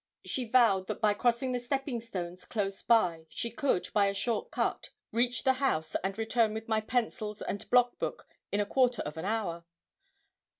She vowed that by crossing the stepping stones close by she could, by a short cut, reach the house, and return with my pencils and block book in a quarter of an hour.